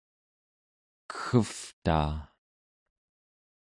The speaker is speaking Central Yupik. keggevtaa